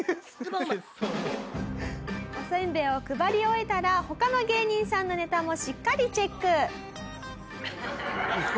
おせんべいを配り終えたら他の芸人さんのネタもしっかりチェック。